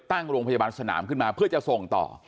ตั้งโรงพยาบาลสนามขึ้นมาเพื่อจะส่งต่อ